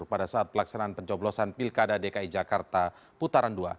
pada saat pelaksanaan pencoblosan pilkada dki jakarta putaran dua